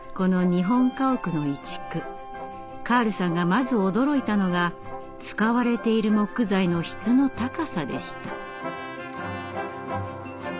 カールさんがまず驚いたのが使われている木材の質の高さでした。